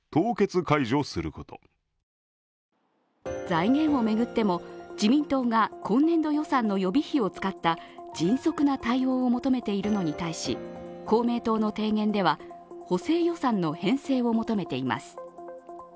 財源を巡っても、自民党が今年度予算の予備費を使った迅速な対応を求めているのに対し公明党の提言では、補正予算の編成を求めています。